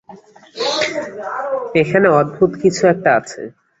এখানে অদ্ভুত কিছু একটা আছে।